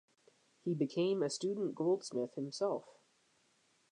He became a student goldsmith himself.